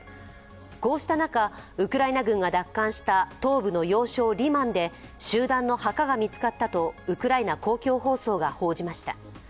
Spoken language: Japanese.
こうした中、ウクライナ軍が奪還した東部の要衝リマンで集団の墓が見つかったとウクライナ公共放送が報じました。